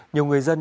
nhiều người dân